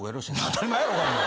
当たり前やろが。